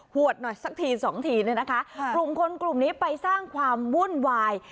วดหน่อยสักทีสองทีเนี่ยนะคะกลุ่มคนกลุ่มนี้ไปสร้างความวุ่นวาย